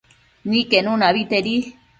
Niquenuna abetedi